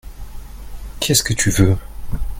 Qu'est-ce que tu veux ?